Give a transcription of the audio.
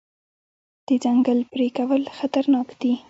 د ځنګل پرې کول خطرناک دي.